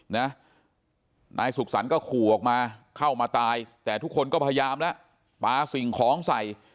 นายสุขสรรค์ก็ขู่ออกมาเข้ามาตายแต่ทุกคนก็พยายามแล้วปลาสิ่งของใส่